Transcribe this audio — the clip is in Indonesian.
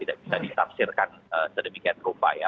tidak bisa disaksirkan sedemikian upaya